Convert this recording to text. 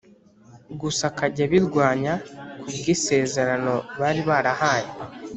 gusa akajya abirwanya kubwisezerano bari barahanye